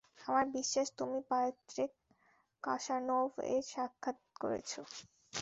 আমার বিশ্বাস তুমি পায়ত্রে কাশানোভ এর সাথে সাক্ষাৎ করেছ।